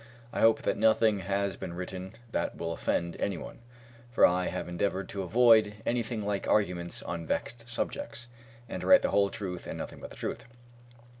I hope that nothing has been written that will offend anyone, for I have endeavored to avoid anything like arguments on vexed subjects, and to write the whole truth and nothing but the truth.